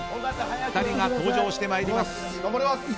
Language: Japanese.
２人が登場してまいります。